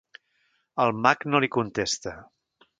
El mag no li contesta.